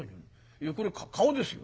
いやこれ顔ですよ」。